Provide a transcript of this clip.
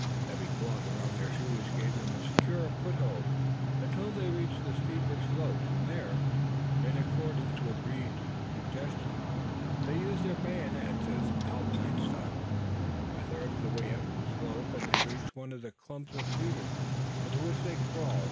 The heavy cloth around their shoes gave them a secure foothold until they reached the steeper slopes, and there, in accordance with Reed's suggestion, they used their bayonets as alpenstocks. A third of the way up the slope, and they reached one of the clumps of cedars, into which they crawled.